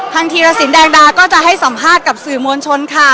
ธีรสินแดงดาก็จะให้สัมภาษณ์กับสื่อมวลชนค่ะ